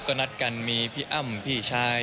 ก็นัดกันมีพี่อ้ำพี่ชาย